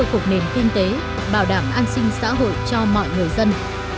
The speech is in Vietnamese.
đối với cuộc nền kinh tế bảo đảm an sinh xã hội cho mọi người dân